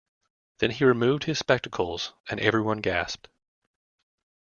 Then he removed his spectacles, and everyone gasped.